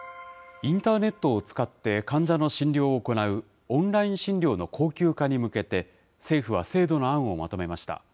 インターネットを使って患者の診療を行うオンライン診療の恒久化に向けて、政府は制度の案をまとめました。